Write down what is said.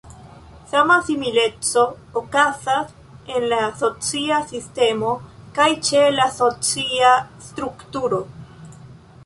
Sama simileco okazas en la "socia sistemo" kaj ĉe la "socia strukturo".